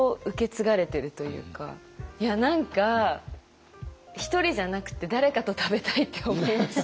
いや何か一人じゃなくて誰かと食べたいって思いました。